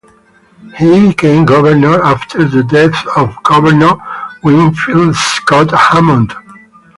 He became governor after the death of Governor Winfield Scott Hammond.